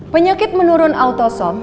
penyakit menurun autosom